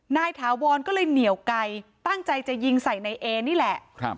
ถาวรก็เลยเหนียวไกลตั้งใจจะยิงใส่นายเอนี่แหละ